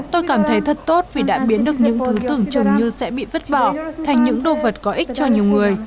tôi cảm thấy thật tốt vì đã biến được những thứ tưởng chừng như sẽ bị vứt bỏ thành những đồ vật có ích cho nhiều người